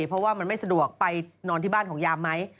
เพราะว่ามันไม่สะดวกไปนอนที่บ้านของยามไหม